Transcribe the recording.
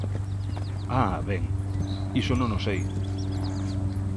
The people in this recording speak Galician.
Ah, ben, iso non o sei.